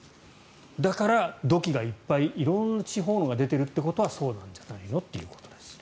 だから、土器がいっぱい色んな地方のが出てるということはそうなんじゃないのということです。